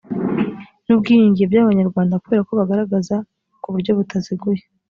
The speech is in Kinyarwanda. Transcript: n ubwiyunge by abanyarwanda kubera ko bagaragaza ku buryo butaziguye